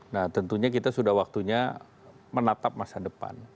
nah tentunya kita sudah waktunya menatap masa depan